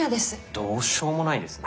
どうしようもないですね。